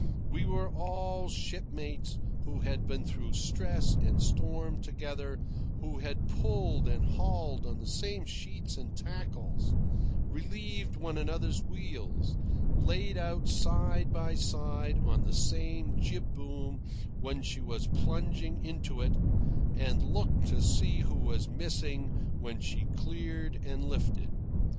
We were all shipmates who had been through stress and storm together, who had pulled and hauled on the same sheets and tackles, relieved one another's wheels, laid out side by side on the same jib boom when she was plunging into it and looked to see who was missing when she cleared and lifted.